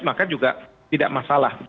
maka juga tidak masalah